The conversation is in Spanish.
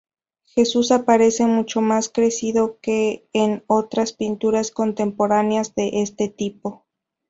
Jesús aparece mucho más crecido que en otras pinturas contemporáneas de este tipo.